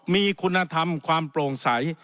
มีคุณธรรมความโปร่งใส